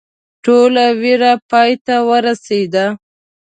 ټوله ویره پای ته ورسېده.